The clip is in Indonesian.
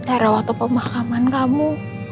karena waktu pemakaman kamu